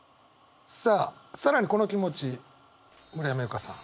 さあ更にこの気持ち村山由佳さん